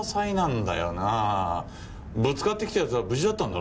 ぶつかってきた奴は無事だったんだろ？